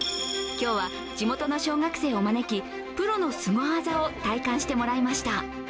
今日は地元の小学生を招きプロのすご技を体感してもらいました。